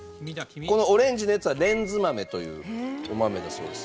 このオレンジのやつはレンズ豆というお豆だそうです。